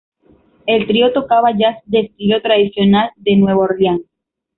El trío tocaba jazz del estilo tradicional de Nueva Orleans.